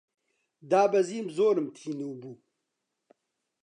دابەزیم، زۆرم تینوو بوو